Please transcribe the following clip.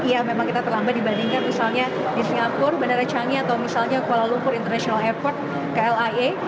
ya memang kita terlambat dibandingkan misalnya di singapura bandara canggih atau misalnya kuala lumpur international airport klia